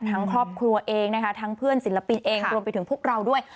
ทั้งครอบครัวเองนะคะทั้งเพื่อนศิลปินเองรวมไปถึงพวกเราด้วย